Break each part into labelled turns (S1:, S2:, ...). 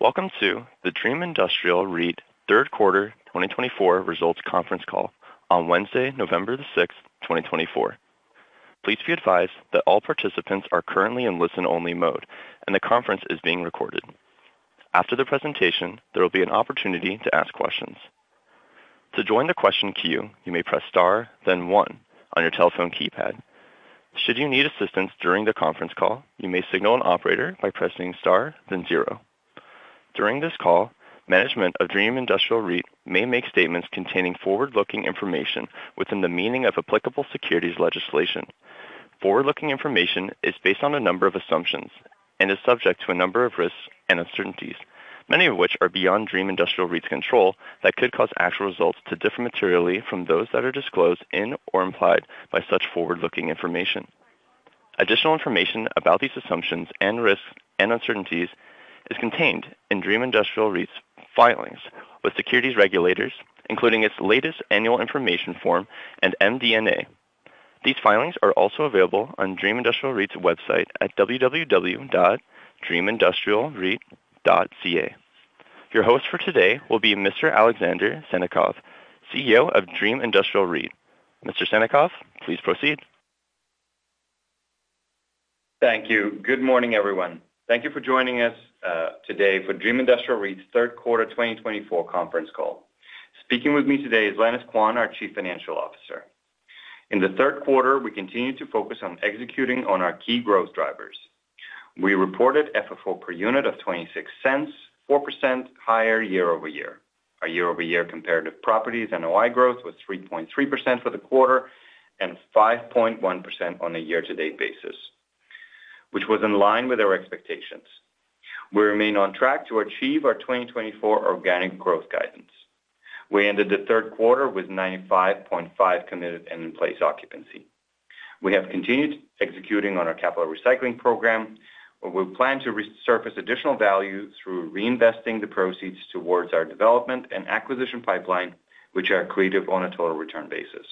S1: Welcome to the Dream Industrial REIT third quarter 2024 results conference call on Wednesday, November the 6th, 2024. Please be advised that all participants are currently in listen-only mode and the conference is being recorded. After the presentation, there will be an opportunity to ask questions. To join the question queue, you may press star, then one on your telephone keypad. Should you need assistance during the conference call, you may signal an operator by pressing star, then zero. During this call, management of Dream Industrial REIT may make statements containing forward-looking information within the meaning of applicable securities legislation. Forward-looking information is based on a number of assumptions and is subject to a number of risks and uncertainties, many of which are beyond Dream Industrial REIT's control that could cause actual results to differ materially from those that are disclosed in or implied by such forward-looking information. Additional information about these assumptions and risks and uncertainties is contained in Dream Industrial REIT's filings with securities regulators, including its latest annual information form and MD&A. These filings are also available on Dream Industrial REIT's website at www.dreamindustrialreit.ca. Your host for today will be Mr. Alexander Sannikov, CEO of Dream Industrial REIT. Mr. Sannikov, please proceed.
S2: Thank you. Good morning, everyone. Thank you for joining us today for Dream Industrial REIT's third quarter 2024 conference call. Speaking with me today is Lenis Quan, our Chief Financial Officer. In the third quarter, we continue to focus on executing on our key growth drivers. We reported FFO per unit of 0.26, 4% higher year-over-year. Our year-over-year comparative properties NOI growth was 3.3% for the quarter and 5.1% on a year-to-date basis, which was in line with our expectations. We remain on track to achieve our 2024 organic growth guidance. We ended the third quarter with 95.5% committed and in-place occupancy. We have continued executing on our capital recycling program. We plan to realize additional value through reinvesting the proceeds towards our development and acquisition pipeline, which are attractive on a total return basis.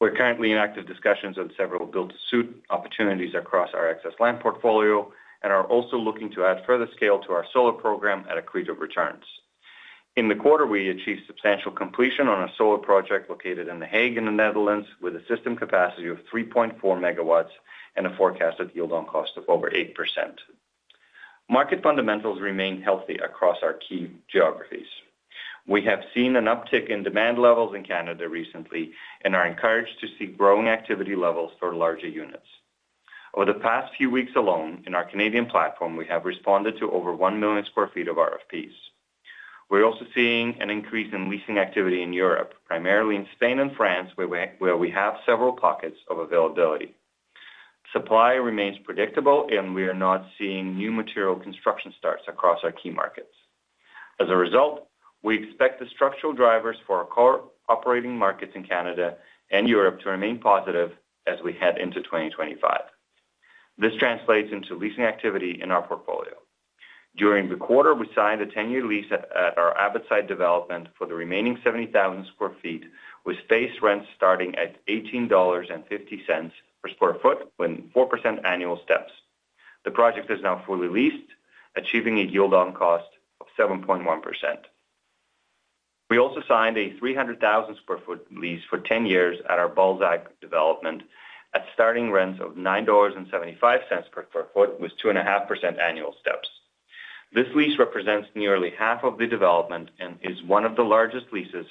S2: We're currently in active discussions on several built-to-suit opportunities across our excess land portfolio and are also looking to add further scale to our solar program at attractive returns. In the quarter, we achieved substantial completion on a solar project located in The Hague in the Netherlands with a system capacity of 3.4 MW and a forecasted yield on cost of over 8%. Market fundamentals remain healthy across our key geographies. We have seen an uptick in demand levels in Canada recently and are encouraged to see growing activity levels for larger units. Over the past few weeks alone, in our Canadian platform, we have responded to over 1 million sq ft of RFPs. We're also seeing an increase in leasing activity in Europe, primarily in Spain and France, where we have several pockets of availability. Supply remains predictable, and we are not seeing new material construction starts across our key markets. As a result, we expect the structural drivers for our core operating markets in Canada and Europe to remain positive as we head into 2025. This translates into leasing activity in our portfolio. During the quarter, we signed a 10-year lease at our Abbotside development for the remaining 70,000 sq ft, with space rents starting at 18.50 dollars per sq ft with 4% annual steps. The project is now fully leased, achieving a yield on cost of 7.1%. We also signed a 300,000 sq ft lease for 10 years at our Balzac development at starting rents of 9.75 dollars per sq ft with 2.5% annual steps. This lease represents nearly half of the development and is one of the largest leases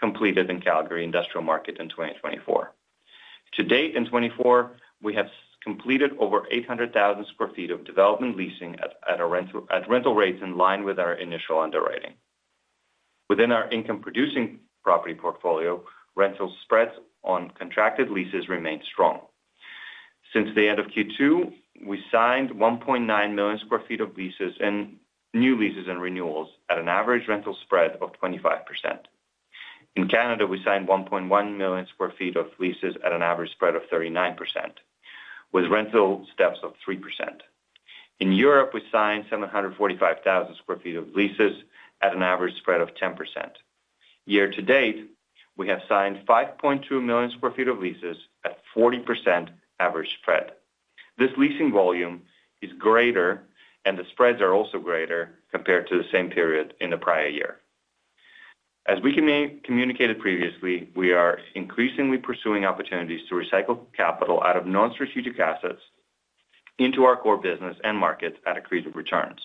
S2: completed in Calgary industrial market in 2024. To date in 2024, we have completed over 800,000 sq ft of development leasing at rental rates in line with our initial underwriting. Within our income-producing property portfolio, rental spreads on contracted leases remain strong. Since the end of Q2, we signed 1.9 million sq ft of leases and new leases and renewals at an average rental spread of 25%. In Canada, we signed 1.1 million sq ft of leases at an average spread of 39%, with rental steps of 3%. In Europe, we signed 745,000 sq ft of leases at an average spread of 10%. Year to date, we have signed 5.2 million sq ft of leases at 40% average spread. This leasing volume is greater, and the spreads are also greater compared to the same period in the prior year. As we communicated previously, we are increasingly pursuing opportunities to recycle capital out of non-strategic assets into our core business and markets at accretive returns.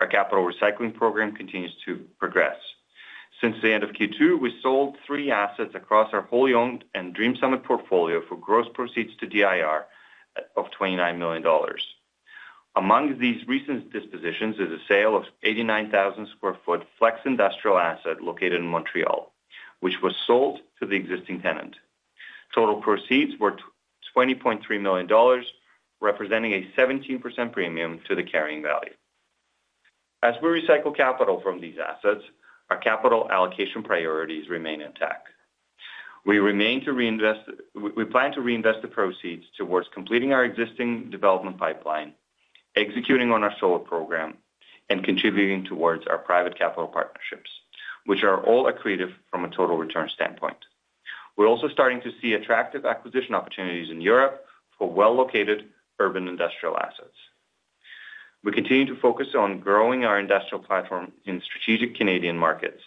S2: Our capital recycling program continues to progress. Since the end of Q2, we sold three assets across our wholly owned and Dream Summit portfolio for gross proceeds to DIR of 29 million dollars. Among these recent dispositions is a sale of 89,000 sq ft flex industrial asset located in Montreal, which was sold to the existing tenant. Total proceeds were 20.3 million dollars, representing a 17% premium to the carrying value. As we recycle capital from these assets, our capital allocation priorities remain intact. We plan to reinvest the proceeds towards completing our existing development pipeline, executing on our solar program, and contributing towards our private capital partnerships, which are all accretive from a total return standpoint. We're also starting to see attractive acquisition opportunities in Europe for well-located urban industrial assets. We continue to focus on growing our industrial platform in strategic Canadian markets.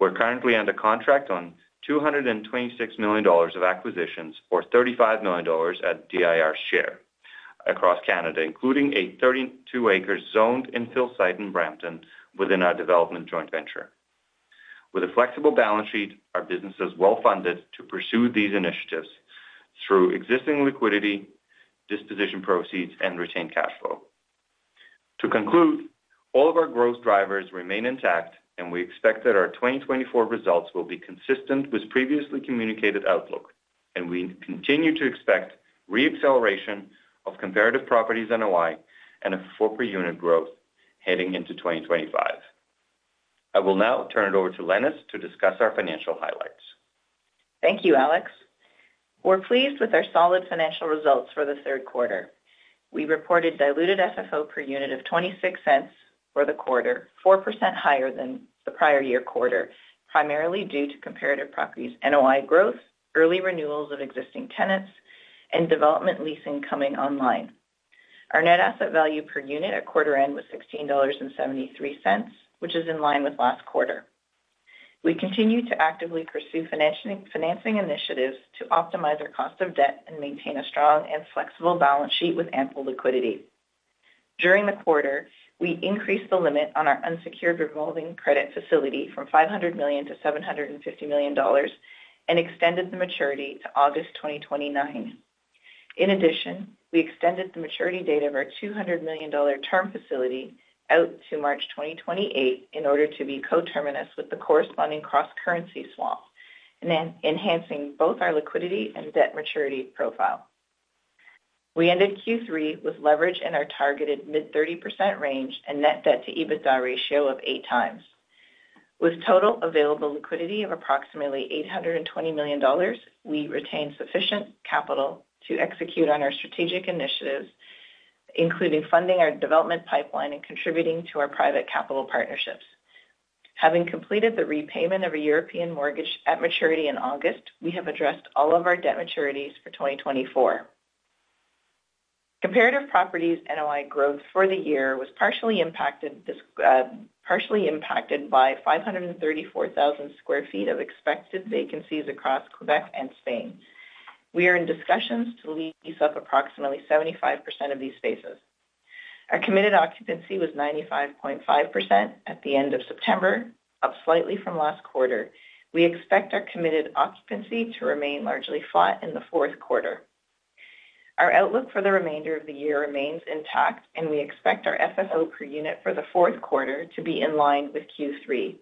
S2: We're currently under contract on 226 million dollars of acquisitions or 35 million dollars at DIR's share across Canada, including a 32-acre zoned infill site in Brampton within our development joint venture. With a flexible balance sheet, our business is well-funded to pursue these initiatives through existing liquidity, disposition proceeds, and retained cash flow. To conclude, all of our growth drivers remain intact, and we expect that our 2024 results will be consistent with previously communicated outlook, and we continue to expect re-acceleration of comparative properties NOI and a four-per-unit growth heading into 2025. I will now turn it over to Lenis to discuss our financial highlights.
S3: Thank you, Alex. We're pleased with our solid financial results for the third quarter. We reported diluted FFO per unit of 0.26 for the quarter, 4% higher than the prior year quarter, primarily due to comparative properties NOI growth, early renewals of existing tenants, and development leasing coming online. Our net asset value per unit at quarter-end was 16.73 dollars, which is in line with last quarter. We continue to actively pursue financing initiatives to optimize our cost of debt and maintain a strong and flexible balance sheet with ample liquidity. During the quarter, we increased the limit on our unsecured revolving credit facility from 500 million to 750 million dollars and extended the maturity to August 2029. In addition, we extended the maturity date of our 200 million dollar term facility out to March 2028 in order to be co-terminous with the corresponding cross-currency swap, enhancing both our liquidity and debt maturity profile. We ended Q3 with leverage in our targeted mid-30% range and net debt-to-EBITDA ratio of eight times. With total available liquidity of approximately 820 million dollars, we retained sufficient capital to execute on our strategic initiatives, including funding our development pipeline and contributing to our private capital partnerships. Having completed the repayment of a European mortgage at maturity in August, we have addressed all of our debt maturities for 2024. Comparative properties NOI growth for the year was partially impacted by 534,000 sq ft of expected vacancies across Quebec and Spain. We are in discussions to lease up approximately 75% of these spaces. Our committed occupancy was 95.5% at the end of September, up slightly from last quarter. We expect our committed occupancy to remain largely flat in the fourth quarter. Our outlook for the remainder of the year remains intact, and we expect our FFO per unit for the fourth quarter to be in line with Q3.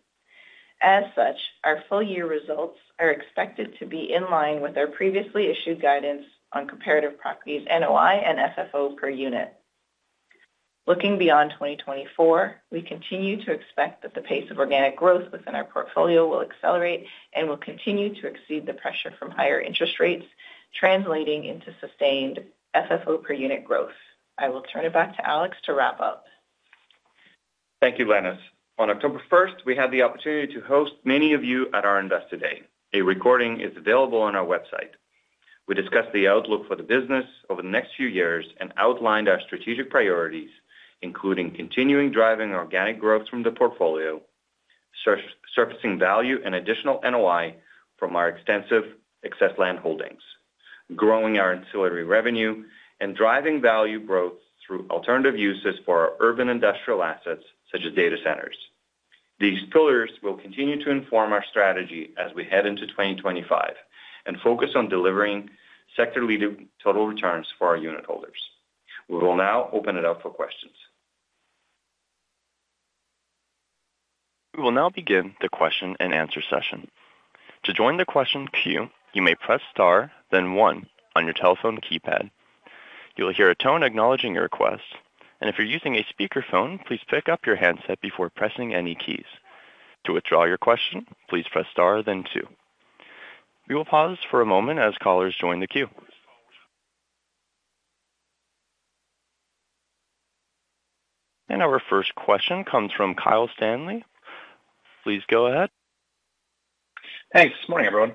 S3: As such, our full-year results are expected to be in line with our previously issued guidance on comparative properties NOI and FFO per unit. Looking beyond 2024, we continue to expect that the pace of organic growth within our portfolio will accelerate and will continue to exceed the pressure from higher interest rates, translating into sustained FFO per unit growth. I will turn it back to Alex to wrap up.
S2: Thank you, Lenis. On October 1st, we had the opportunity to host many of you at our Investor Day. A recording is available on our website. We discussed the outlook for the business over the next few years and outlined our strategic priorities, including continuing driving organic growth from the portfolio, surfacing value and additional NOI from our extensive excess land holdings, growing our ancillary revenue, and driving value growth through alternative uses for our urban industrial assets such as data centers. These pillars will continue to inform our strategy as we head into 2025 and focus on delivering sector-leading total returns for our unit holders. We will now open it up for questions.
S1: We will now begin the question and answer session. To join the question queue, you may press star, then one on your telephone keypad. You'll hear a tone acknowledging your request, and if you're using a speakerphone, please pick up your handset before pressing any keys. To withdraw your question, please press star, then two. We will pause for a moment as callers join the queue. Our first question comes from Kyle Stanley. Please go ahead.
S4: Hey, good morning, everyone.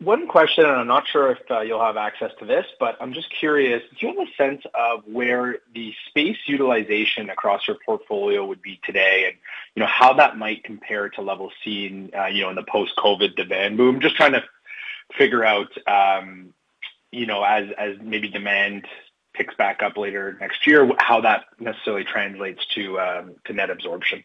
S4: One question, and I'm not sure if you'll have access to this, but I'm just curious, do you have a sense of where the space utilization across your portfolio would be today and how that might compare to level seen in the post-COVID demand boom? Just trying to figure out, as maybe demand picks back up later next year, how that necessarily translates to net absorption.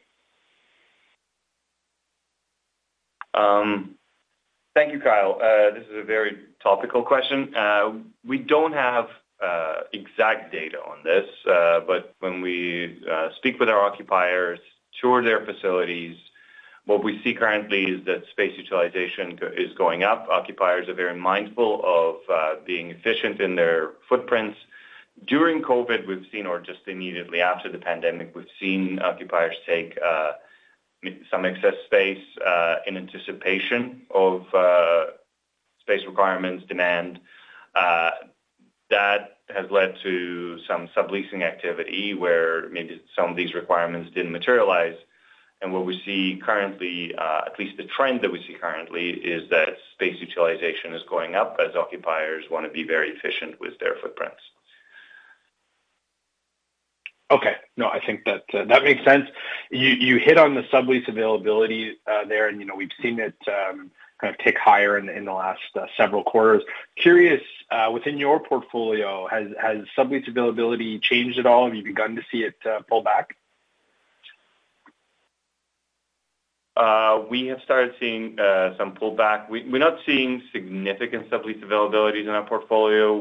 S2: Thank you, Kyle. This is a very topical question. We don't have exact data on this, but when we speak with our occupiers to their facilities, what we see currently is that space utilization is going up. Occupiers are very mindful of being efficient in their footprints. During COVID, we've seen, or just immediately after the pandemic, we've seen occupiers take some excess space in anticipation of space requirements demand. That has led to some subleasing activity where maybe some of these requirements didn't materialize. And what we see currently, at least the trend that we see currently, is that space utilization is going up as occupiers want to be very efficient with their footprints.
S4: Okay. No, I think that makes sense. You hit on the sublease availability there, and we've seen it kind of tick higher in the last several quarters. Curious, within your portfolio, has sublease availability changed at all? Have you begun to see it pull back?
S2: We have started seeing some pullback. We're not seeing significant sublease availabilities in our portfolio.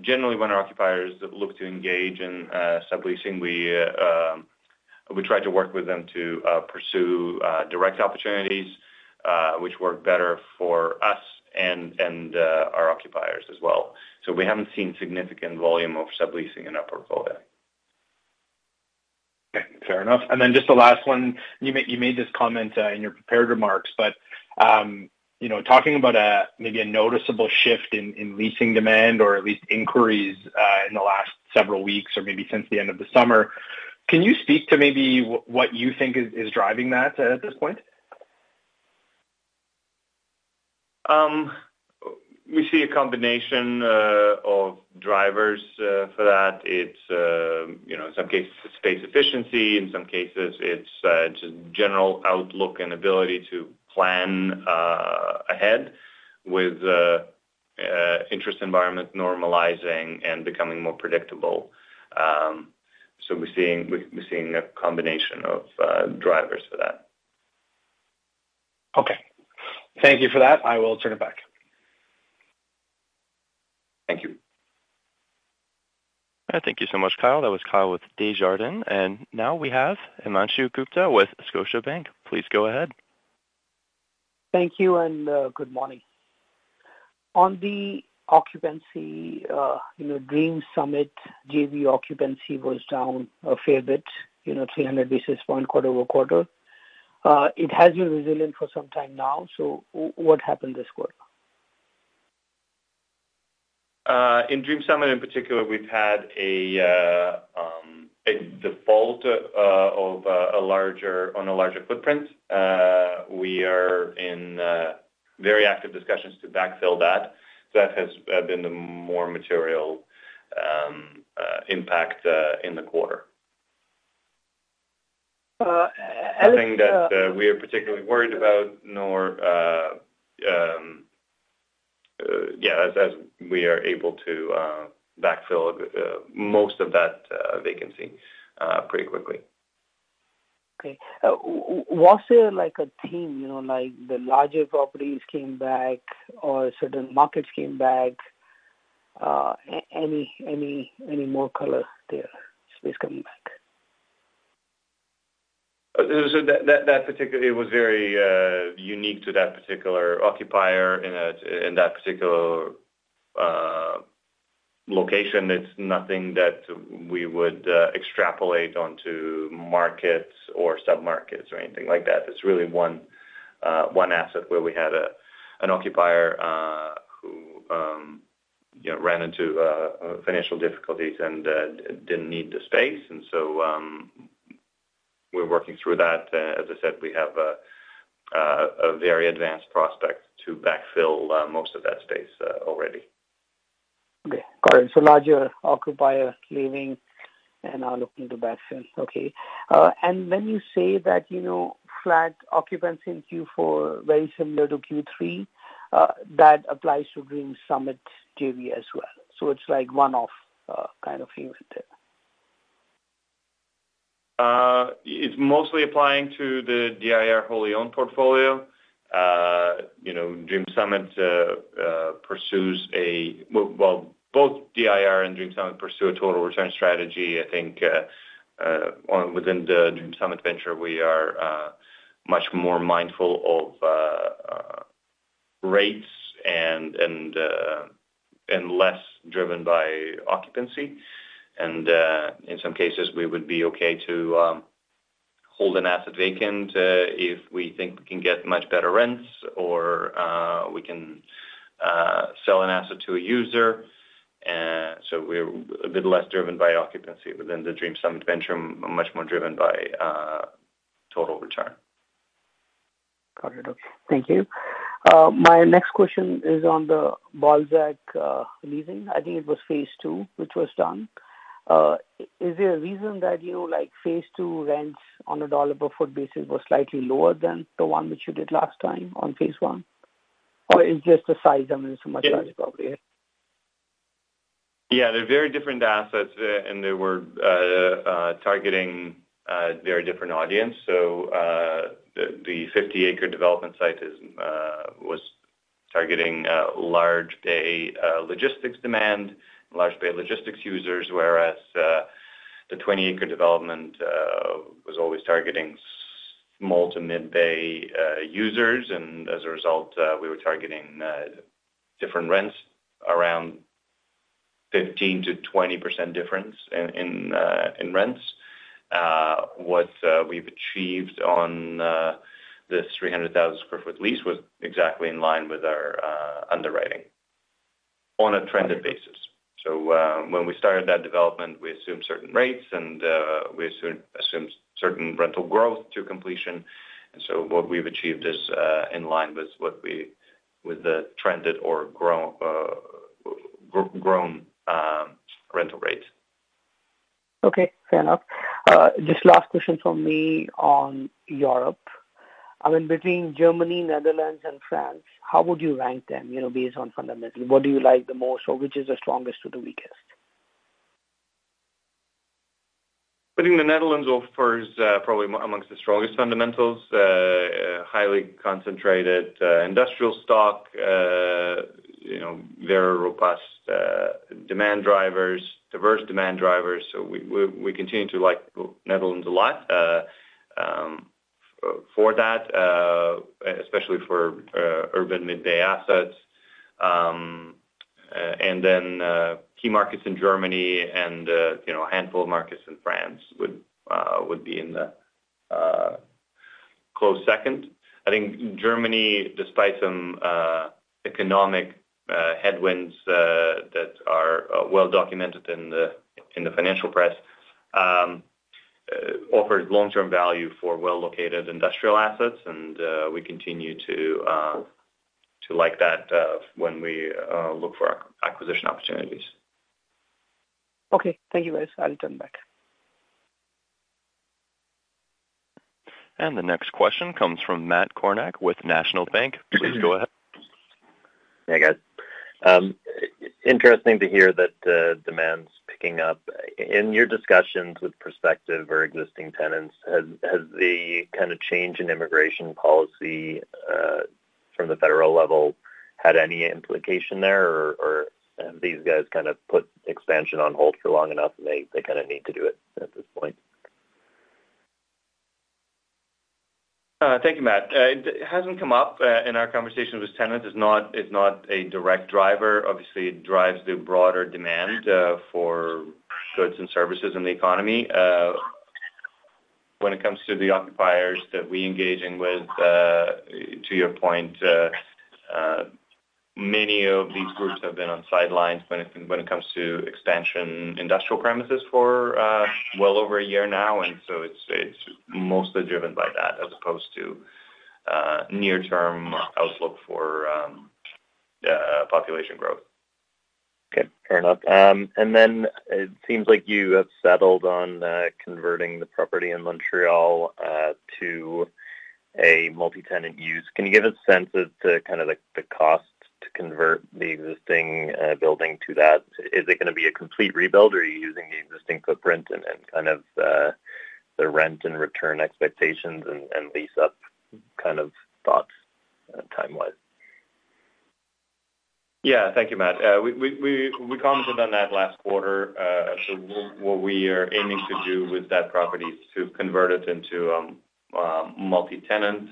S2: Generally, when our occupiers look to engage in subleasing, we try to work with them to pursue direct opportunities, which work better for us and our occupiers as well. So we haven't seen significant volume of subleasing in our portfolio.
S4: Okay. Fair enough. And then just the last one. You made this comment in your prepared remarks, but talking about maybe a noticeable shift in leasing demand, or at least inquiries in the last several weeks, or maybe since the end of the summer, can you speak to maybe what you think is driving that at this point?
S2: We see a combination of drivers for that. In some cases, it's space efficiency. In some cases, it's just general outlook and ability to plan ahead with interest environments normalizing and becoming more predictable. So we're seeing a combination of drivers for that.
S4: Okay. Thank you for that. I will turn it back.
S2: Thank you.
S1: Thank you so much, Kyle. That was Kyle with Desjardins. And now we have Himanshu Gupta with Scotiabank. Please go ahead.
S5: Thank you and good morning. On the occupancy, Dream Summit JV occupancy was down a fair bit, 300 basis points quarter-over-quarter. It has been resilient for some time now. So what happened this quarter?
S2: In Dream Summit, in particular, we've had a default on a larger footprint. We are in very active discussions to backfill that. That has been the more material impact in the quarter.
S5: Alex
S2: I think that we are particularly worried about, yeah, as we are able to backfill most of that vacancy pretty quickly.
S5: Okay. Was there a theme, like the larger properties came back or certain markets came back? Any more colour there, space coming back?
S2: It was very unique to that particular occupier in that particular location. It's nothing that we would extrapolate onto markets or submarkets or anything like that. It's really one asset where we had an occupier who ran into financial difficulties and didn't need the space. And so we're working through that. As I said, we have a very advanced prospect to backfill most of that space already.
S5: Okay. Got it. So larger occupier leaving and now looking to backfill. Okay. And when you say that flat occupancy in Q4, very similar to Q3, that applies to Dream Summit JV as well. So it's like one-off kind of event there.
S2: It's mostly applying to the DIR wholly-owned portfolio. Dream Summit pursues a, well, both DIR and Dream Summit pursue a total return strategy. I think within the Dream Summit venture, we are much more mindful of rates and less driven by occupancy, and in some cases, we would be okay to hold an asset vacant if we think we can get much better rents or we can sell an asset to a user, so we're a bit less driven by occupancy within the Dream Summit venture, much more driven by total return.
S5: Got it. Okay. Thank you. My next question is on the Balzac leasing. I think it was phase II, which was done. Is there a reason that phase II rents on a dollar per foot basis was slightly lower than the one which you did last time on phase I? Or is it just the size? I mean, it's a much larger property.
S2: Yeah. They're very different assets, and they were targeting a very different audience. So the 50-acre development site was targeting large bay logistics demand, large bay logistics users, whereas the 20-acre development was always targeting small to mid-bay users. And as a result, we were targeting different rents, around 15%-20% difference in rents. What we've achieved on this 300,000 sq ft lease was exactly in line with our underwriting on a trended basis. So when we started that development, we assumed certain rates, and we assumed certain rental growth to completion. And so what we've achieved is in line with the trended or grown rental rate.
S5: Okay. Fair enough. Just last question from me on Europe. I mean, between Germany, Netherlands, and France, how would you rank them based on fundamentals? What do you like the most, or which is the strongest to the weakest?
S2: I think the Netherlands offers probably amongst the strongest fundamentals, highly concentrated industrial stock. They're robust demand drivers, diverse demand drivers. So we continue to like Netherlands a lot for that, especially for urban mid-bay assets. And then key markets in Germany and a handful of markets in France would be in the close second. I think Germany, despite some economic headwinds that are well documented in the financial press, offers long-term value for well-located industrial assets. And we continue to like that when we look for acquisition opportunities.
S5: Okay. Thank you, guys. I'll turn back.
S1: The next question comes from Matt Kornack with National Bank. Please go ahead.
S6: Hey, guys. Interesting to hear that demand's picking up. In your discussions with prospective or existing tenants, has the kind of change in immigration policy from the federal level had any implication there, or have these guys kind of put expansion on hold for long enough and they kind of need to do it at this point?
S2: Thank you, Matt. It hasn't come up in our conversations with tenants. It's not a direct driver. Obviously, it drives the broader demand for goods and services in the economy. When it comes to the occupiers that we're engaging with, to your point, many of these groups have been on sidelines when it comes to expansion industrial premises for well over a year now. And so it's mostly driven by that as opposed to near-term outlook for population growth.
S6: Okay. Fair enough. And then it seems like you have settled on converting the property in Montreal to a multi-tenant use. Can you give a sense as to kind of the cost to convert the existing building to that? Is it going to be a complete rebuild, or are you using the existing footprint and kind of the rent and return expectations and lease-up kind of thoughts timewise?
S2: Yeah. Thank you, Matt. We commented on that last quarter. So what we are aiming to do with that property is to convert it into a multi-tenant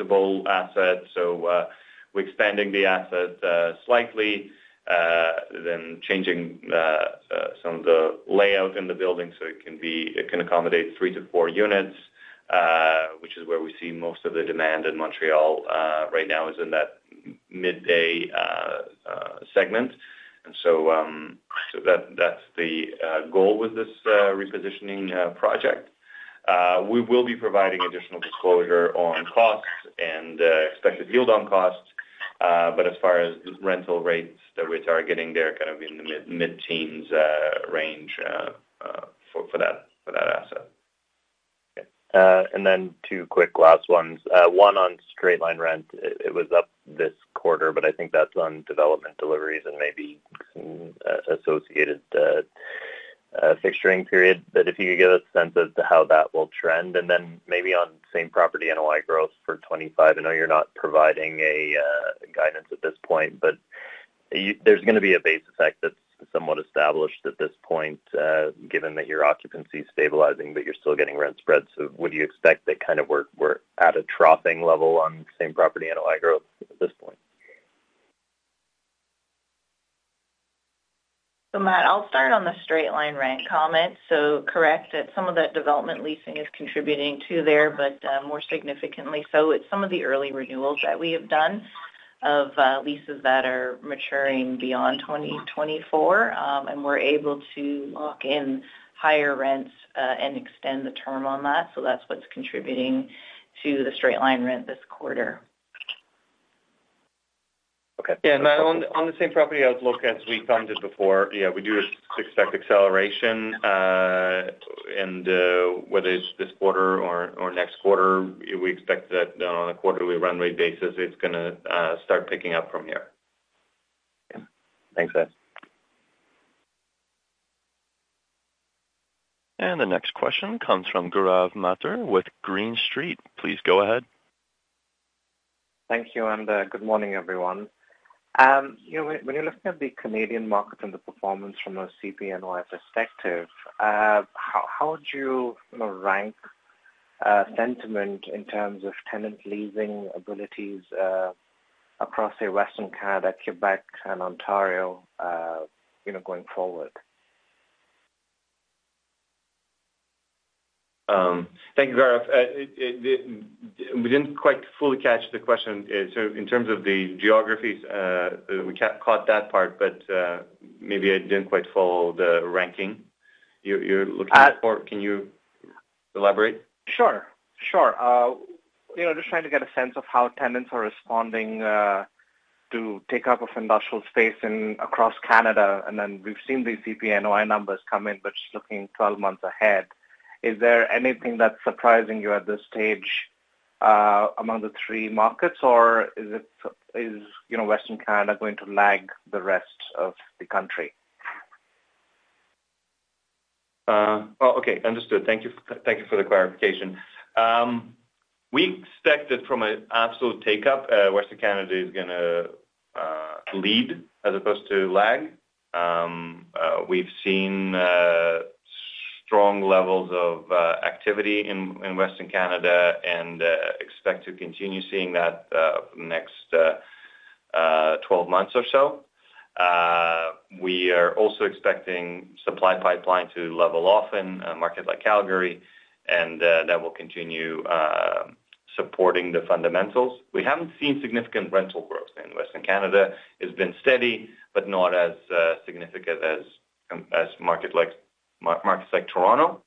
S2: asset. So we're expanding the asset slightly, then changing some of the layout in the building so it can accommodate three to four units, which is where we see most of the demand in Montreal right now, is in that mid-bay segment. And so that's the goal with this repositioning project. We will be providing additional disclosure on costs and expected yield on costs. But as far as rental rates, we're targeting there kind of in the mid-teens range for that asset.
S6: And then two quick last ones. One on straight-line rent. It was up this quarter, but I think that's on development deliveries and maybe some associated fixturing period, but if you could give us a sense as to how that will trend. And then maybe on same property NOI growth for 2025. I know you're not providing guidance at this point, but there's going to be a base effect that's somewhat established at this point, given that your occupancy is stabilizing, but you're still getting rent spreads, so would you expect that kind of we're at a troughing level on same property NOI growth at this point?
S3: So Matt, I'll start on the straight-line rent comment. So correct that some of that development leasing is contributing to there, but more significantly, so it's some of the early renewals that we have done of leases that are maturing beyond 2024. And we're able to lock in higher rents and extend the term on that. So that's what's contributing to the straight-line rent this quarter.
S6: Okay.
S2: Yeah. On the same property outlook as we commented before, yeah, we do expect acceleration. And whether it's this quarter or next quarter, we expect that on a quarterly run rate basis, it's going to start picking up from here.
S6: Thanks, guys.
S1: The next question comes from Gaurav Mathur with Green Street. Please go ahead.
S7: Thank you, and good morning, everyone. When you're looking at the Canadian market and the performance from a CP NOI perspective, how would you rank sentiment in terms of tenant leasing abilities across Western Canada, Quebec, and Ontario going forward?
S2: Thank you, Gaurav. We didn't quite fully catch the question. So in terms of the geographies, we caught that part, but maybe I didn't quite follow the ranking you're looking for. Can you elaborate?
S7: Sure. Sure. Just trying to get a sense of how tenants are responding to take up of industrial space across Canada, and then we've seen these CP NOI numbers come in, but just looking 12 months ahead, is there anything that's surprising you at this stage among the three markets, or is Western Canada going to lag the rest of the country?
S2: Oh, okay. Understood. Thank you for the clarification. We expect that from an absolute take-up, Western Canada is going to lead as opposed to lag. We've seen strong levels of activity in Western Canada and expect to continue seeing that for the next 12 months or so. We are also expecting supply pipeline to level off in a market like Calgary, and that will continue supporting the fundamentals. We haven't seen significant rental growth in Western Canada. It's been steady, but not as significant as markets like Toronto,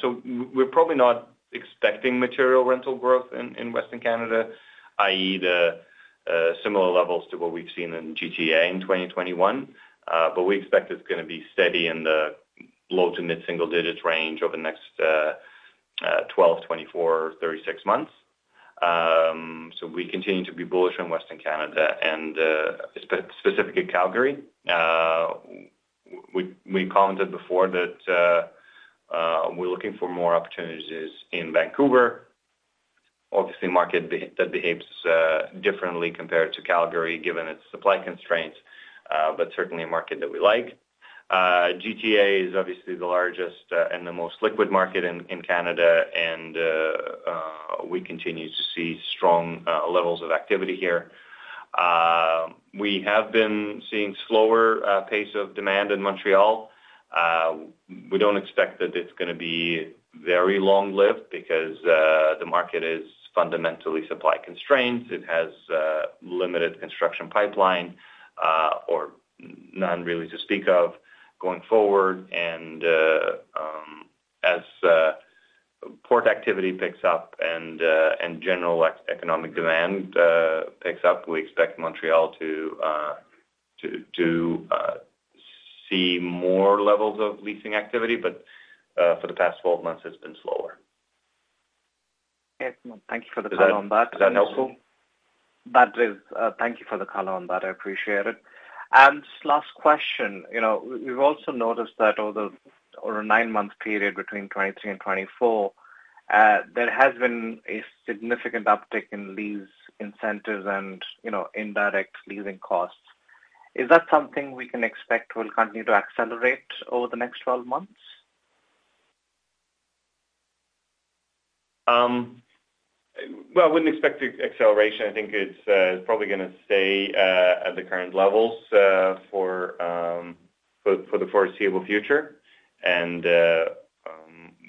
S2: so we're probably not expecting material rental growth in Western Canada, i.e., similar levels to what we've seen in GTA in 2021. But we expect it's going to be steady in the low to mid-single digit range over the next 12, 24, 36 months, so we continue to be bullish on Western Canada, and specifically Calgary. We commented before that we're looking for more opportunities in Vancouver. Obviously, a market that behaves differently compared to Calgary, given its supply constraints, but certainly a market that we like. GTA is obviously the largest and the most liquid market in Canada, and we continue to see strong levels of activity here. We have been seeing a slower pace of demand in Montreal. We don't expect that it's going to be very long-lived because the market is fundamentally supply constrained. It has limited construction pipeline or none really to speak of going forward. And as port activity picks up and general economic demand picks up, we expect Montreal to see more levels of leasing activity. But for the past 12 months, it's been slower.
S7: Excellent. Thank you for the colour on that.
S2: Is that helpful?
S7: That is. Thank you for the colour on that. I appreciate it. And last question. We've also noticed that over a nine-month period between 2023 and 2024, there has been a significant uptick in lease incentives and indirect leasing costs. Is that something we can expect will continue to accelerate over the next 12 months?
S2: I wouldn't expect acceleration. I think it's probably going to stay at the current levels for the foreseeable future.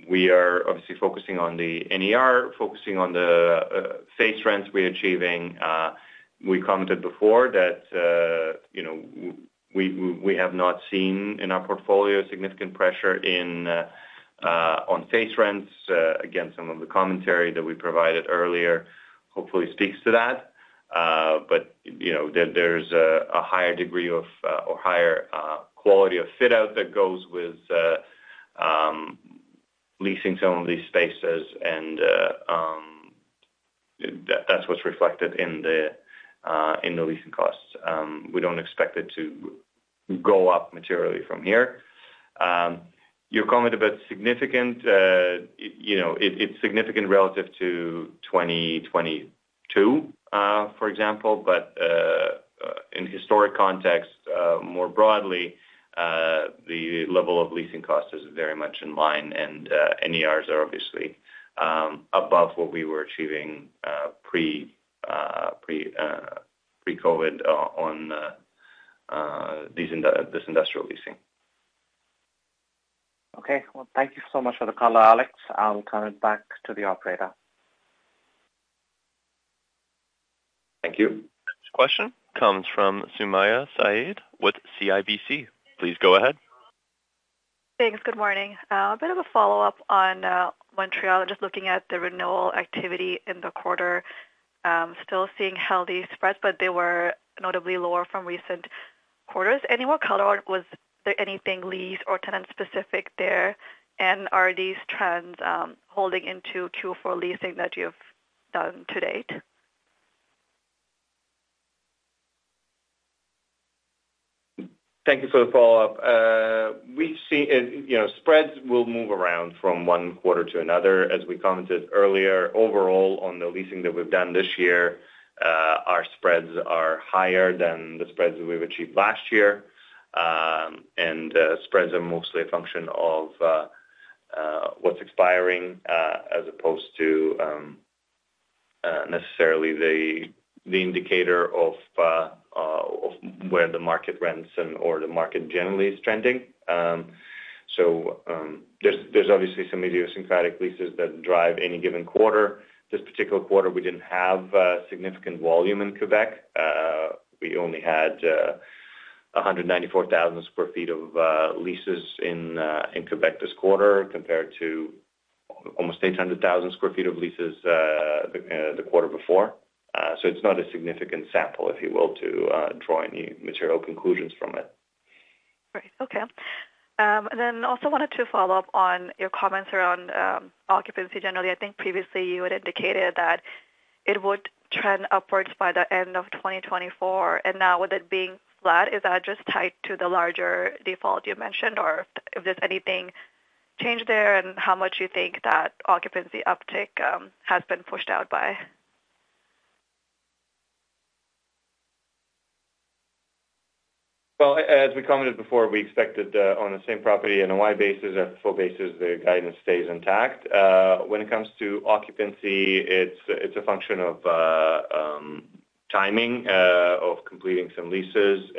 S2: We are obviously focusing on the NER, focusing on the in-place rents we're achieving. We commented before that we have not seen in our portfolio significant pressure on in-place rents. Again, some of the commentary that we provided earlier hopefully speaks to that. There's a higher degree of or higher quality of fit-out that goes with leasing some of these spaces. That's what's reflected in the leasing costs. We don't expect it to go up materially from here. Your comment about significant. It's significant relative to 2022, for example. In historic context, more broadly, the level of leasing cost is very much in line. NERs are obviously above what we were achieving pre-COVID on this industrial leasing.
S7: Okay. Well, thank you so much for the colour, Alex. I'll turn it back to the operator.
S2: Thank you.
S1: Next question comes from Sumayya Syed with CIBC. Please go ahead.
S8: Thanks. Good morning. A bit of a follow-up on Montreal. Just looking at the renewal activity in the quarter, still seeing healthy spreads, but they were notably lower from recent quarters. Any more colour on, was there anything lease- or tenant-specific there? And are these trends holding into Q4 leasing that you've done to date?
S2: Thank you for the follow-up. We've seen spreads will move around from one quarter to another. As we commented earlier, overall, on the leasing that we've done this year, our spreads are higher than the spreads that we've achieved last year. And spreads are mostly a function of what's expiring as opposed to necessarily the indicator of where the market rents or the market generally is trending. So there's obviously some idiosyncratic leases that drive any given quarter. This particular quarter, we didn't have significant volume in Quebec. We only had 194,000 sq ft of leases in Quebec this quarter compared to almost 800,000 sq ft of leases the quarter before. So it's not a significant sample, if you will, to draw any material conclusions from it.
S8: Right. Okay. And then also wanted to follow up on your comments around occupancy generally. I think previously you had indicated that it would trend upwards by the end of 2024. And now, with it being flat, is that just tied to the larger default you mentioned, or if there's anything changed there and how much you think that occupancy uptick has been pushed out by?
S2: As we commented before, we expected on the same property NOI basis or full basis, the guidance stays intact. When it comes to occupancy, it's a function of timing of completing some leases.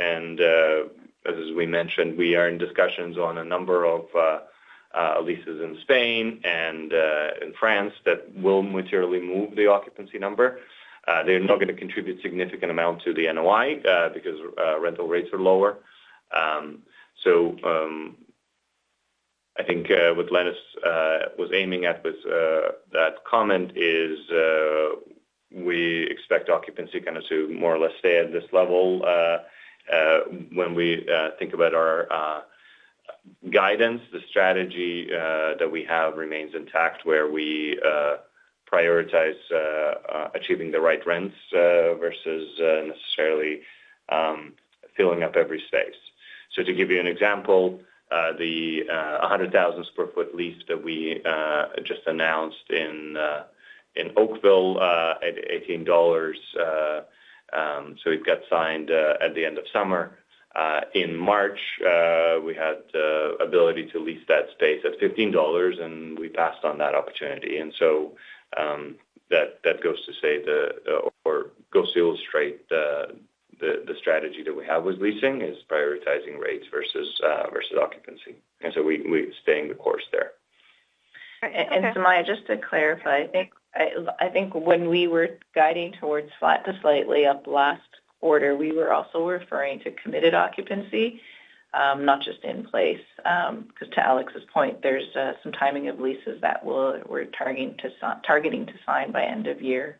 S2: As we mentioned, we are in discussions on a number of leases in Spain and in France that will materially move the occupancy number. They're not going to contribute a significant amount to the NOI because rental rates are lower. I think what Lenis was aiming at with that comment is we expect occupancy kind of to more or less stay at this level. When we think about our guidance, the strategy that we have remains intact, where we prioritize achieving the right rents versus necessarily filling up every space. To give you an example, the 100,000 sq ft lease that we just announced in Oakville at 18 dollars. So we've got signed at the end of summer. In March, we had the ability to lease that space at 15 dollars, and we passed on that opportunity. And so that goes to say or goes to illustrate the strategy that we have with leasing is prioritizing rates versus occupancy. And so we're staying the course there.
S3: Sumayya, just to clarify, I think when we were guiding towards flat to slightly up last quarter, we were also referring to committed occupancy, not just in place. Because to Alex's point, there's some timing of leases that we're targeting to sign by end of year.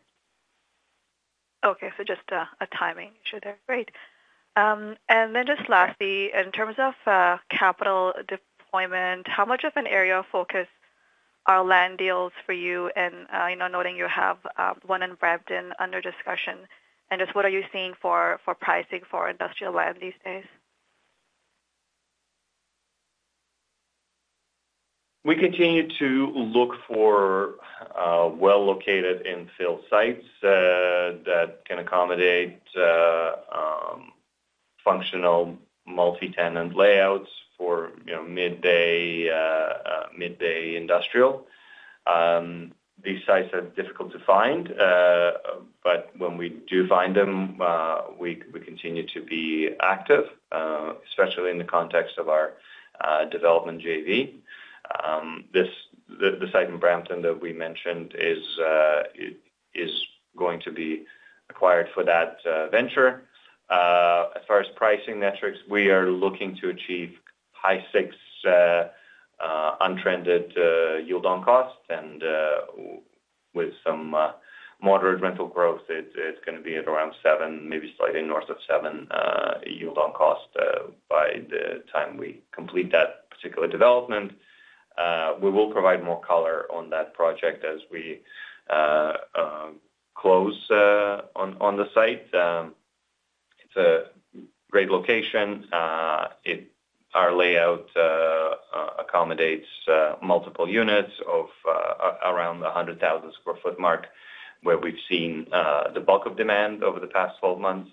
S8: Okay. So just a timing issue there. Great. And then just lastly, in terms of capital deployment, how much of an area of focus are land deals for you? And knowing you have one in Brampton under discussion, and just what are you seeing for pricing for industrial land these days?
S2: We continue to look for well-located and infill sites that can accommodate functional multi-tenant layouts for mid-bay industrial. These sites are difficult to find, but when we do find them, we continue to be active, especially in the context of our development JV. The site in Brampton that we mentioned is going to be acquired for that venture. As far as pricing metrics, we are looking to achieve high sixes unlevered yield on cost, and with some moderate rental growth, it's going to be at around seven, maybe slightly north of seven yield on cost by the time we complete that particular development. We will provide more colour on that project as we close on the site. It's a great location. Our layout accommodates multiple units of around the 100,000 sq ft mark where we've seen the bulk of demand over the past 12 months.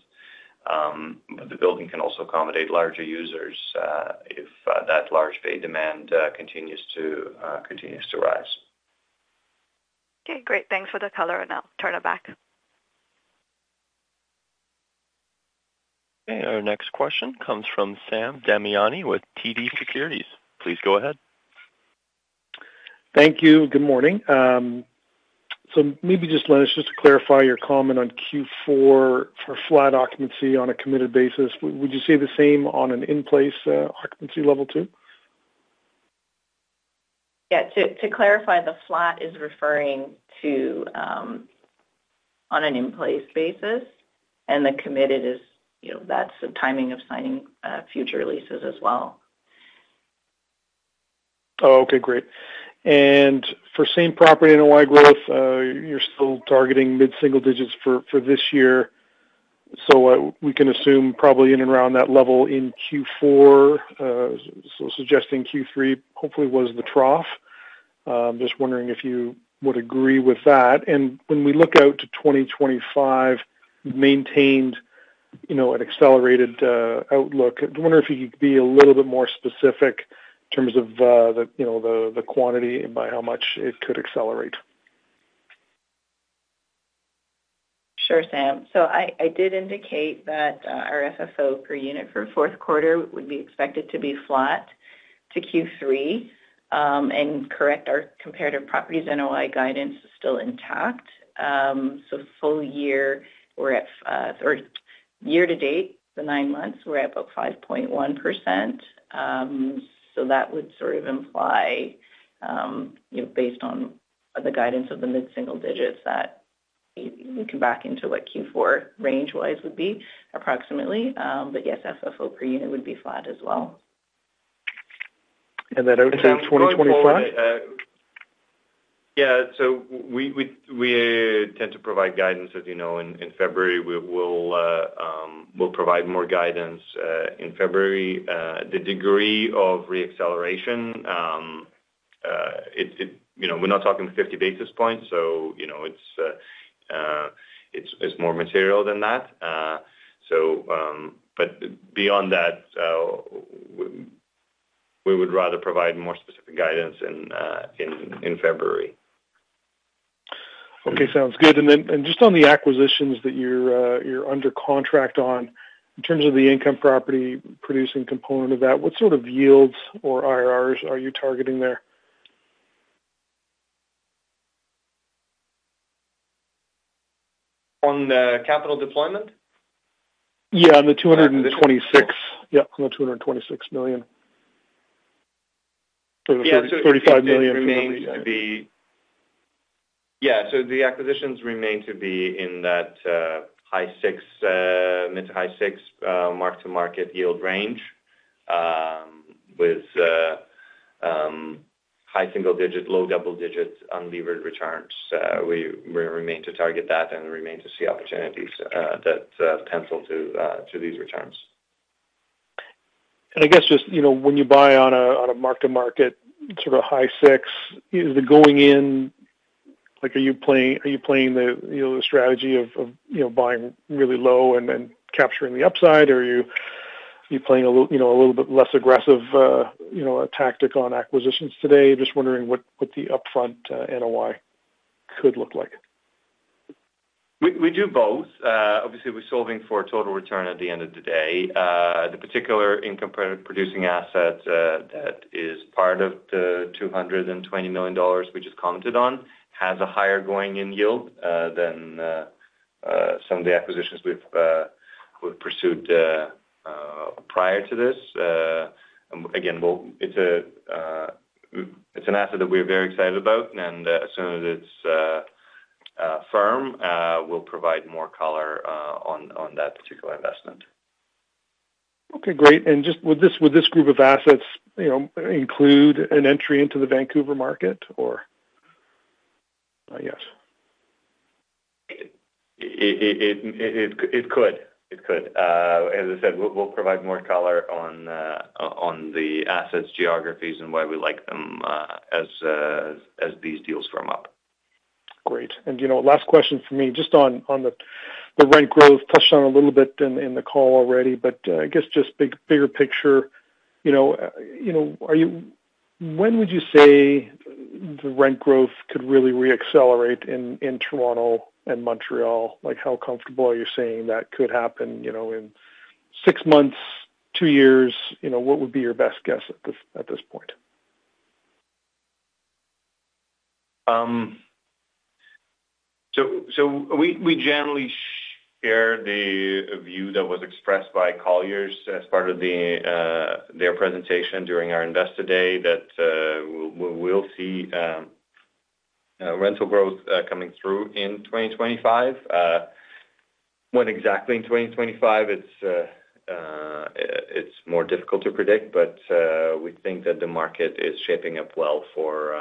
S2: But the building can also accommodate larger users if that large bay demand continues to rise.
S8: Okay. Great. Thanks for the colour, and I'll turn it back.
S1: Okay. Our next question comes from Sam Damiani with TD Securities. Please go ahead.
S9: Thank you. Good morning. So maybe just Lenis, just to clarify your comment on Q4 for flat occupancy on a committed basis, would you say the same on an in-place occupancy level too?
S3: Yeah. To clarify, the flat is referring to on an in-place basis, and the committed is, that's the timing of signing future leases as well.
S9: Oh, okay. Great. And for same property NOI growth, you're still targeting mid-single digits for this year. So we can assume probably in and around that level in Q4. So suggesting Q3 hopefully was the trough. Just wondering if you would agree with that. And when we look out to 2025, maintained an accelerated outlook. I wonder if you could be a little bit more specific in terms of the quantity and by how much it could accelerate.
S3: Sure, Sam. So I did indicate that our FFO per unit for fourth quarter would be expected to be flat to Q3. And correct, our Comparative Properties NOI guidance is still intact. So full year, we're at or year to date, the nine months, we're at about 5.1%. So that would sort of imply, based on the guidance of the mid-single digits, that we come back into what Q4 range-wise would be approximately. But yes, FFO per unit would be flat as well.
S9: That everything's 2025?
S2: Yeah. So we tend to provide guidance, as you know. In February, we'll provide more guidance. In February, the degree of re-acceleration, we're not talking 50 basis points. So it's more material than that. But beyond that, we would rather provide more specific guidance in February.
S9: Okay. Sounds good. And then just on the acquisitions that you're under contract on, in terms of the income property producing component of that, what sort of yields or IRRs are you targeting there?
S2: On the capital deployment?
S9: Yeah. On the 226. Yeah. On the 226 million, 35 million remains to be.
S2: Yeah. So the acquisitions remain to be in that high-six mark-to-market yield range with high-single-digit, low-double-digit unlevered returns. We remain to target that and remain to see opportunities that pencil to these returns.
S9: I guess just when you buy on a mark-to-market sort of high-six, is the going-in are you playing the strategy of buying really low and then capturing the upside, or are you playing a little bit less aggressive tactic on acquisitions today? Just wondering what the upfront NOI could look like.
S2: We do both. Obviously, we're solving for total return at the end of the day. The particular income producing asset that is part of the 220 million dollars we just commented on has a higher going-in yield than some of the acquisitions we've pursued prior to this. Again, it's an asset that we are very excited about. And as soon as it's firm, we'll provide more colour on that particular investment.
S9: Okay. Great. And just would this group of assets include an entry into the Vancouver market, or yes?
S2: It could. It could. As I said, we'll provide more colour on the assets, geographies, and why we like them as these deals firm up.
S9: Great. And last question for me, just on the rent growth, touched on a little bit in the call already, but I guess just bigger picture, when would you say the rent growth could really re-accelerate in Toronto and Montreal? How comfortable are you saying that could happen in six months, two years? What would be your best guess at this point?
S2: So we generally share the view that was expressed by Colliers as part of their presentation during our investor day that we'll see rental growth coming through in 2025. When exactly in 2025, it's more difficult to predict, but we think that the market is shaping up well for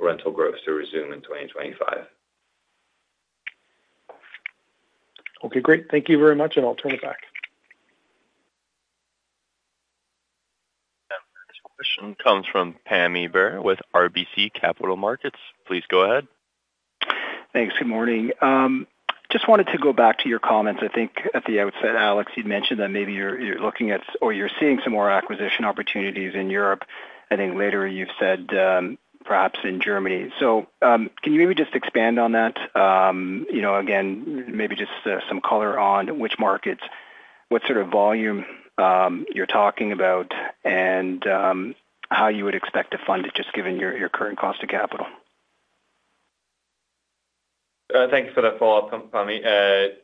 S2: rental growth to resume in 2025.
S9: Okay. Great. Thank you very much, and I'll turn it back.
S1: Next question comes from Pammi Bir with RBC Capital Markets. Please go ahead.
S10: Thanks. Good morning. Just wanted to go back to your comments. I think at the outset, Alex, you'd mentioned that maybe you're looking at or you're seeing some more acquisition opportunities in Europe. I think later you've said perhaps in Germany. So can you maybe just expand on that? Again, maybe just some colour on which markets, what sort of volume you're talking about, and how you would expect to fund it just given your current cost of capital.
S2: Thanks for that follow-up, Pammi.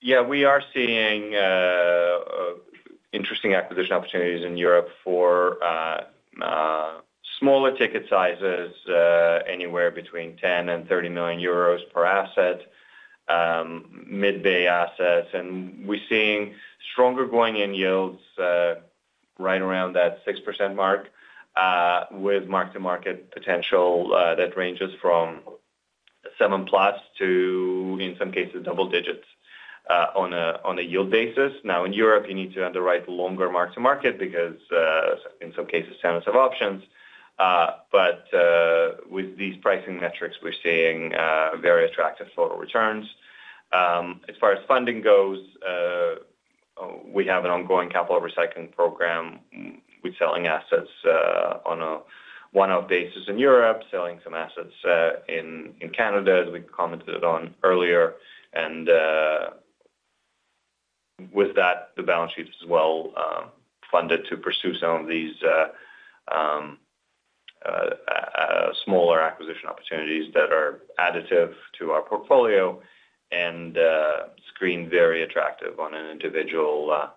S2: Yeah. We are seeing interesting acquisition opportunities in Europe for smaller ticket sizes anywhere between 10-30 million euros per asset, mid-bay assets. And we're seeing stronger going-in yields right around that 6% mark with mark-to-market potential that ranges from 7 + to, in some cases, double digits on a yield basis. Now, in Europe, you need to underwrite longer mark-to-market because, in some cases, tenants have options. But with these pricing metrics, we're seeing very attractive total returns. As far as funding goes, we have an ongoing capital recycling program. We're selling assets on a one-off basis in Europe, selling some assets in Canada, as we commented on earlier. And with that, the balance sheet is well funded to pursue some of these smaller acquisition opportunities that are additive to our portfolio and screen very attractive on an individual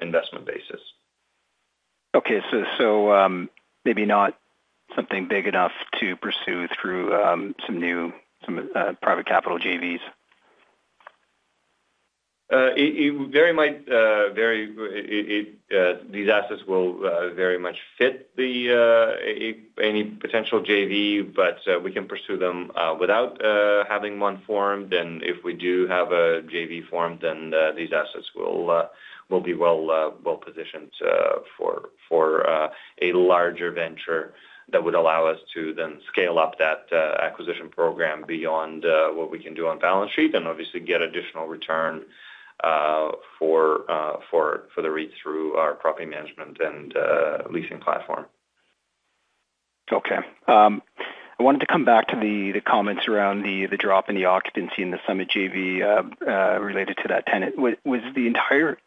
S2: investment basis.
S10: Okay, so maybe not something big enough to pursue through some new private capital JVs?
S2: These assets will very much fit any potential JV, but we can pursue them without having one formed, and if we do have a JV formed, then these assets will be well positioned for a larger venture that would allow us to then scale up that acquisition program beyond what we can do on balance sheet and obviously get additional return for the read-through, our property management and leasing platform.
S10: Okay. I wanted to come back to the comments around the drop in the occupancy in the Summit JV related to that tenant. Was the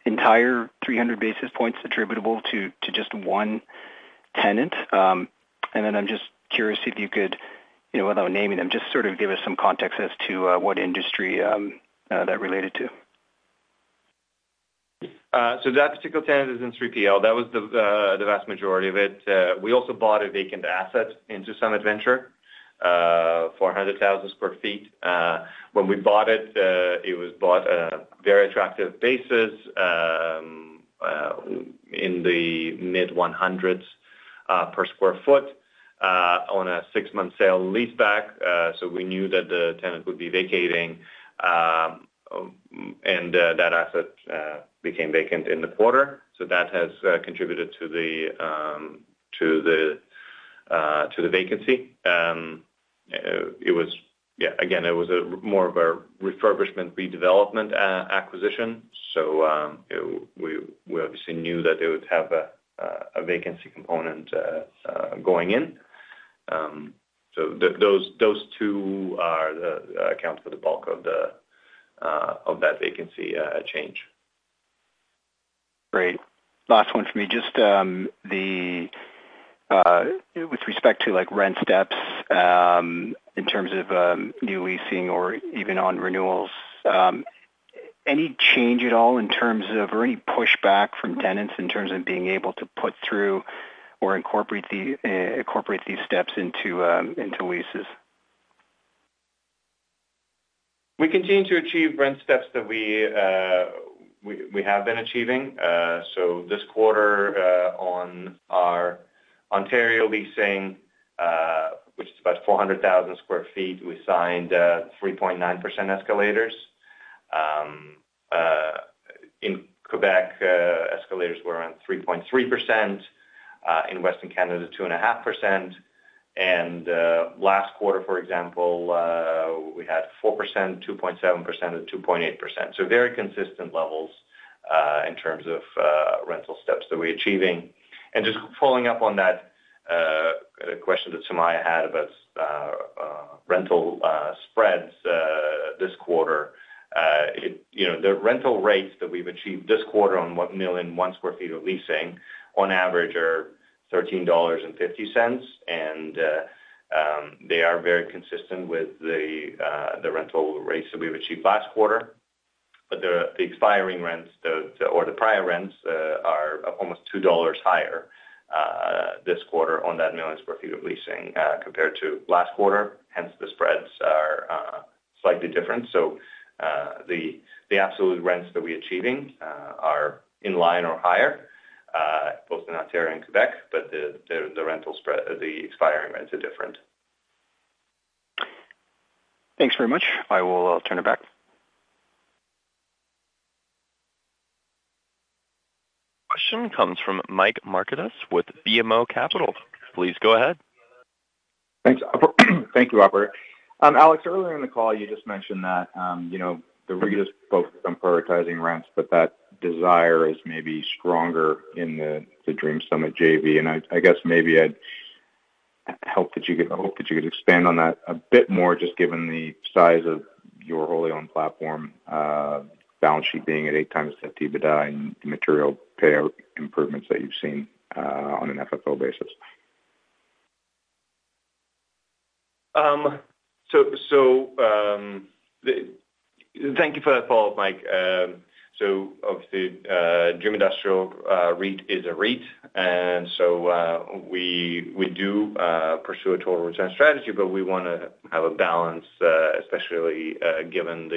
S10: entire 300 basis points attributable to just one tenant? And then I'm just curious if you could, without naming them, just sort of give us some context as to what industry that related to.
S2: So that particular tenant is in 3PL. That was the vast majority of it. We also bought a vacant asset into Dream Summit JV, 400,000 sq ft. When we bought it, it was bought on a very attractive basis in the mid-100s per sq ft on a six-month sale lease back. So we knew that the tenant would be vacating, and that asset became vacant in the quarter. So that has contributed to the vacancy. Yeah. Again, it was more of a refurbishment redevelopment acquisition. So we obviously knew that they would have a vacancy component going in. So those two account for the bulk of that vacancy change.
S10: Great. Last one for me. Just with respect to rent steps in terms of new leasing or even on renewals, any change at all in terms of or any pushback from tenants in terms of being able to put through or incorporate these steps into leases?
S2: We continue to achieve rent steps that we have been achieving, so this quarter on our Ontario leasing, which is about 400,000 sq ft, we signed 3.9% escalators. In Quebec, escalators were around 3.3%. In Western Canada, 2.5%, and last quarter, for example, we had 4%, 2.7%, or 2.8%, so very consistent levels in terms of rental steps that we're achieving, and just following up on that question that Sumayya had about rental spreads this quarter, the rental rates that we've achieved this quarter on 1 million sq ft of leasing on average are 13.50 dollars. And they are very consistent with the rental rates that we've achieved last quarter. But the expiring rents or the prior rents are almost 2 dollars higher this quarter on that 1 million sq ft of leasing compared to last quarter. Hence, the spreads are slightly different. The absolute rents that we're achieving are in line or higher, both in Ontario and Quebec, but the expiring rents are different.
S10: Thanks very much. I will turn it back.
S1: Question comes from Mike Markidis with BMO Capital. Please go ahead.
S11: Thanks. Thank you, Robert. Alex, earlier in the call, you just mentioned that the leaders' focus on prioritizing rents, but that desire is maybe stronger in the Dream Summit JV. And I guess maybe I'd hope that you could expand on that a bit more just given the size of your wholly-owned platform, balance sheet being at eight times the EBITDA and the material payout improvements that you've seen on an FFO basis.
S2: Thank you for that follow-up, Mike. Obviously, Dream Industrial REIT is a REIT. And so we do pursue a total return strategy, but we want to have a balance, especially given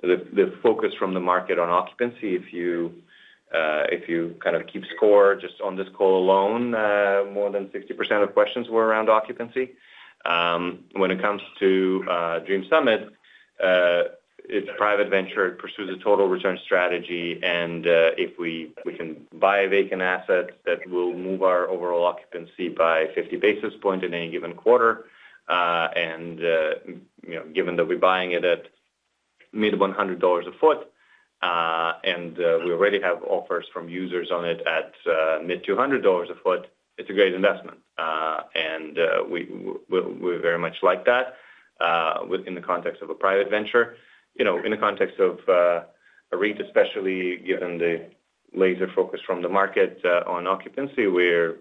S2: the focus from the market on occupancy. If you kind of keep score just on this call alone, more than 60% of questions were around occupancy. When it comes to Dream Summit, it is a private venture. It pursues a total return strategy. And if we can buy a vacant asset that will move our overall occupancy by 50 basis points in any given quarter, and given that we are buying it at mid-100 CAD a foot and we already have offers from users on it at mid-200 CAD a foot, it is a great investment. And we very much like that in the context of a private venture. In the context of a REIT, especially given the laser focus from the market on occupancy, we're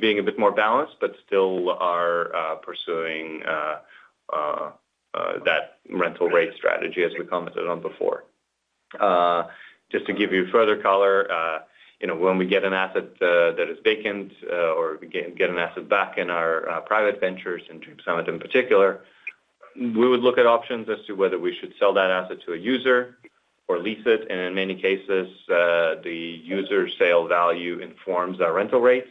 S2: being a bit more balanced, but still are pursuing that rental rate strategy as we commented on before. Just to give you further colour, when we get an asset that is vacant or we get an asset back in our private ventures in Dream Summit in particular, we would look at options as to whether we should sell that asset to a user or lease it. And in many cases, the user sale value informs our rental rates,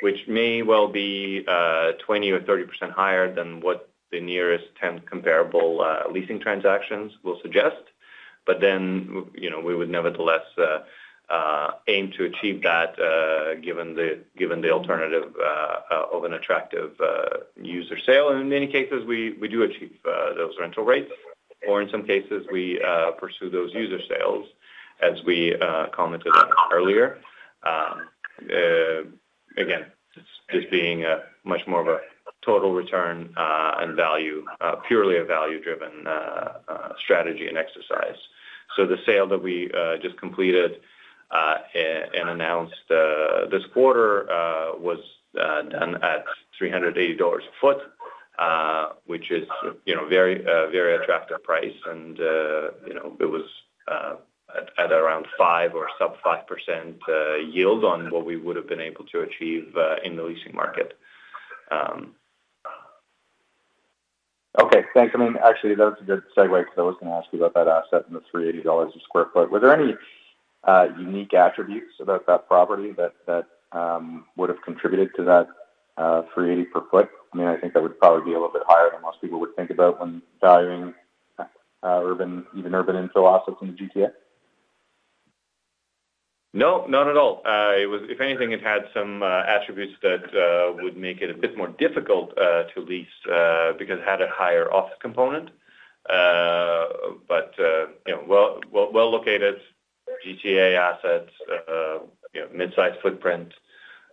S2: which may well be 20% or 30% higher than what the nearest 10 comparable leasing transactions will suggest. But then we would nevertheless aim to achieve that given the alternative of an attractive user sale. And in many cases, we do achieve those rental rates. Or in some cases, we pursue those user sales, as we commented on earlier. Again, this being much more of a total return and purely a value-driven strategy and exercise. So the sale that we just completed and announced this quarter was done at 380 dollars sq ft, which is a very attractive price. And it was at around 5% or sub-5% yield on what we would have been able to achieve in the leasing market.
S11: Okay. Thanks. I mean, actually, that's a good segue because I was going to ask you about that asset and the 380 dollars a sq ft. Were there any unique attributes about that property that would have contributed to that 380 per foot? I mean, I think that would probably be a little bit higher than most people would think about when valuing even urban infill assets in the GTA.
S2: No, not at all. If anything, it had some attributes that would make it a bit more difficult to lease because it had a higher office component. But well-located GTA assets, mid-size footprint.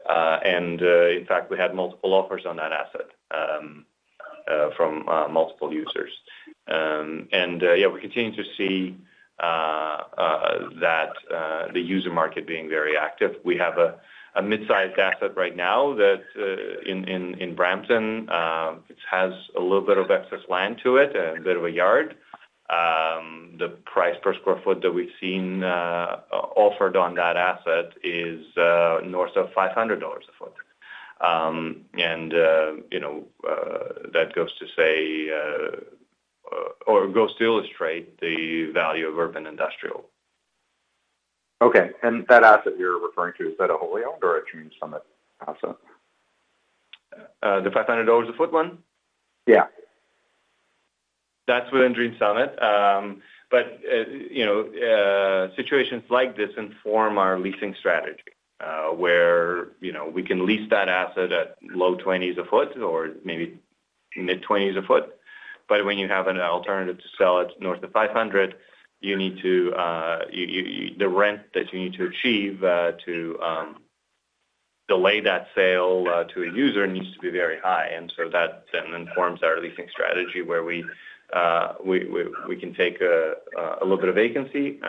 S2: And in fact, we had multiple offers on that asset from multiple users. And yeah, we continue to see that the user market being very active. We have a mid-sized asset right now that in Brampton, it has a little bit of excess land to it and a bit of a yard. The price per sq ft that we've seen offered on that asset is north of 500 dollars a foot. And that goes to say or goes to illustrate the value of urban industrial.
S11: Okay. And that asset you're referring to, is that a wholly-owned or a Dream Summit asset?
S2: The 500 dollars a foot one?
S11: Yeah.
S2: That's within Dream Summit. But situations like this inform our leasing strategy where we can lease that asset at low 20s a foot or maybe mid-20s a foot. But when you have an alternative to sell it north of 500, you need the rent that you need to achieve to delay that sale to a user needs to be very high. And so that then informs our leasing strategy where we can take a little bit of vacancy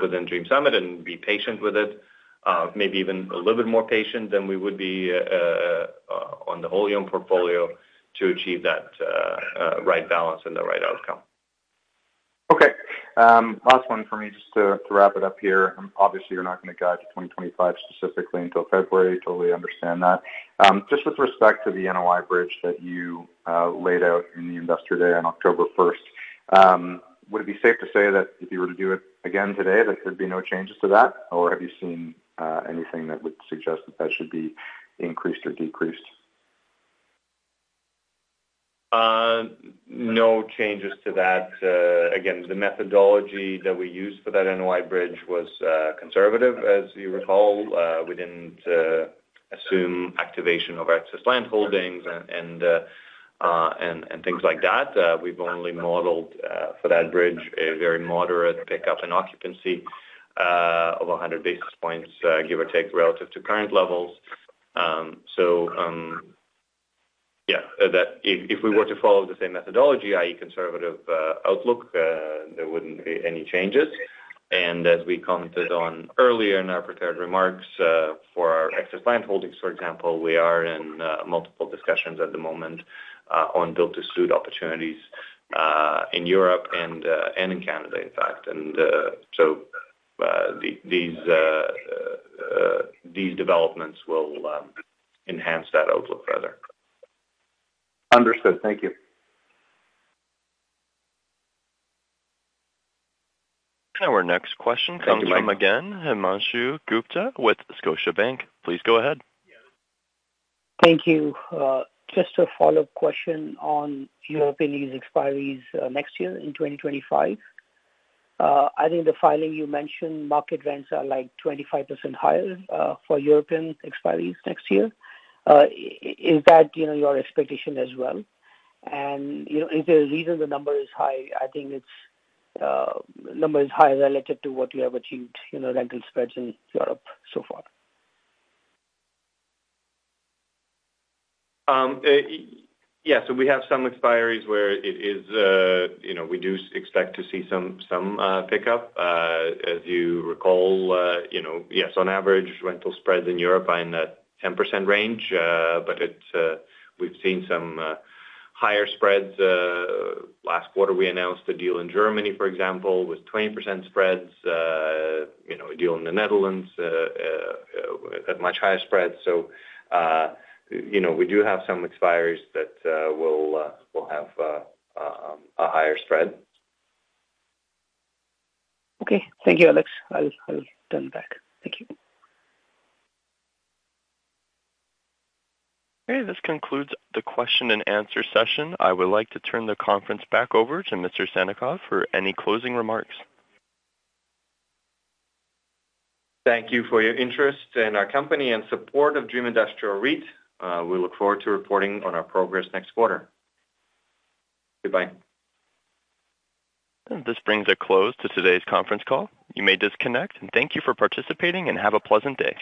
S2: within Dream Summit and be patient with it, maybe even a little bit more patient than we would be on the wholly-owned portfolio to achieve that right balance and the right outcome.
S11: Okay. Last one for me just to wrap it up here. Obviously, you're not going to guide to 2025 specifically until February. Totally understand that. Just with respect to the NOI bridge that you laid out in the Investor Day on October 1st, would it be safe to say that if you were to do it again today, that there'd be no changes to that? Or have you seen anything that would suggest that that should be increased or decreased?
S2: No changes to that. Again, the methodology that we used for that NOI bridge was conservative. As you recall, we didn't assume activation of excess land holdings and things like that. We've only modelled for that bridge a very moderate pickup in occupancy of 100 basis points, give or take relative to current levels. So yeah, if we were to follow the same methodology, i.e., conservative outlook, there wouldn't be any changes. And as we commented on earlier in our prepared remarks for our excess land holdings, for example, we are in multiple discussions at the moment on build-to-suit opportunities in Europe and in Canada, in fact. And so these developments will enhance that outlook further.
S11: Understood. Thank you.
S1: Our next question comes from again, Himanshu Gupta with Scotiabank. Please go ahead.
S5: Thank you. Just a follow-up question on European lease expiries next year in 2025. I think the filing you mentioned, market rents are like 25% higher for European expiries next year. Is that your expectation as well? And is there a reason the number is high? I think the number is high relative to what you have achieved, rental spreads in Europe so far.
S2: Yeah. So we have some expiries where it is we do expect to see some pickup. As you recall, yes, on average, rental spreads in Europe are in the 10% range. But we've seen some higher spreads. Last quarter, we announced a deal in Germany, for example, with 20% spreads. A deal in the Netherlands had much higher spreads. So we do have some expiries that will have a higher spread.
S5: Okay. Thank you, Alex. I'll turn it back. Thank you.
S1: Okay. This concludes the question and answer session. I would like to turn the conference back over to Mr. Sannikov for any closing remarks.
S2: Thank you for your interest in our company and support of Dream Industrial REIT. We look forward to reporting on our progress next quarter. Goodbye.
S1: This brings a close to today's conference call. You may disconnect. Thank you for participating and have a pleasant day.